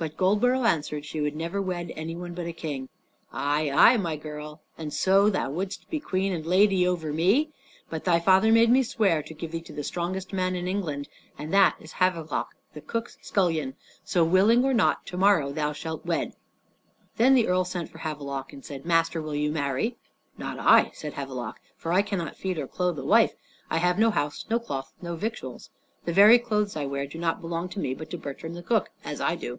But Goldborough answered she would never wed any one but a king. "Ay, ay, my girl; and so thou wouldst be queen and lady over me? But thy father made me swear to give thee to the strongest man in England, and that is Havelok, the cook's scullion; so willing or not willing to morrow thou shalt wed." Then the earl sent for Havelok and said, "Master, will you marry?" "Not I," said Havelok; "for I cannot feed nor clothe a wife. I have no house, no cloth, no victuals. The very clothes I wear do not belong to me, but to Bertram the cook, as I do."